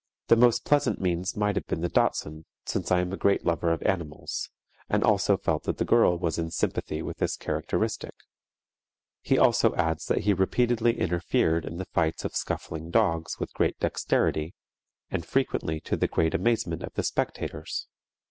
The most pleasant means might have been the Dachshund, since I am a great lover of animals, and also felt that the girl was in sympathy with this characteristic." He also adds that he repeatedly interfered in the fights of scuffling dogs with great dexterity and frequently to the great amazement of the spectators.